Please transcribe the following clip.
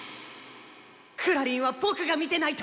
クラりんは僕が見てないと！